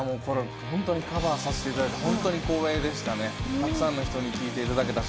本当にカバーさせていただいて光栄でしたね、たくさんの方に聴いていただけたし。